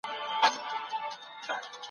ورکړې یې بوسه نه ده، وعده یې د بوسې ده